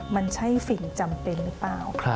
มันใช่สิ่งจำเป็นหรือเปล่า